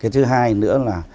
thứ hai nữa là